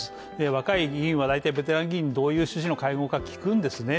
若い議員はベテラン議員にどういう趣旨の会合か聞くんですね。